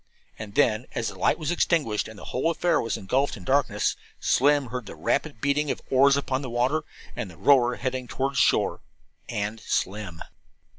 And then, as the light was extinguished, and the whole affair was engulfed in darkness, Slim heard the rapid beating of the oars upon the water, and the rower heading toward shore and Slim.